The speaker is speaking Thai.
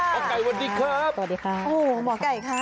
ไก่สวัสดีครับสวัสดีค่ะโอ้โหหมอไก่ค่ะ